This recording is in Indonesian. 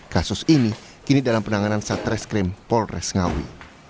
kasus ini kini dalam penanganan satreskrim polres ngawi